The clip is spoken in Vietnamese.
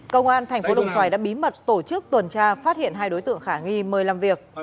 công an thành phố đồng xoài đã bí mật tổ chức tuần tra phát hiện hai đối tượng khả nghi mời làm việc